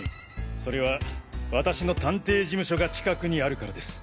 それは私の探偵事務所が近くにあるからです。